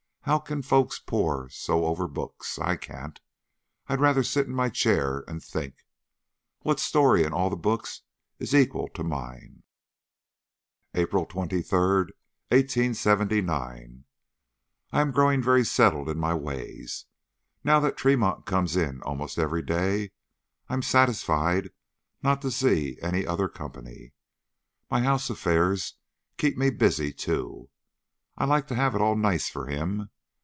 How can folks pore so over books? I can't. I'd rather sit in my chair and think. What story in all the books is equal to mine?" "APRIL 23, 1879. I am growing very settled in my ways. Now that Tremont comes in almost every day, I'm satisfied not to see any other company. My house affairs keep me busy too. I like to have it all nice for him.